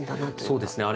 そうですね。